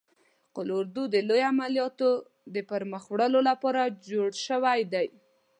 قول اردو د لوی عملیاتو د پرمخ وړلو لپاره جوړ شوی دی.